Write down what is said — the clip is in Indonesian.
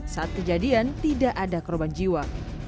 saat kejadian tidak ada korban jiwa